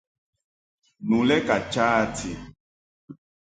Nu lɛ ka cha a ti.